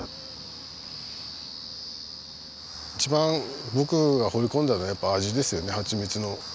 一番僕がほれ込んだのはやっぱ味ですよねはちみつの。